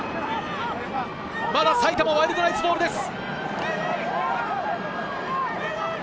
まだ埼玉ワイルドナイツボールです。